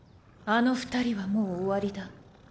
あの２人はもう終わりだ。